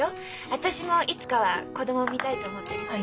私もいつかは子供産みたいと思ってるし。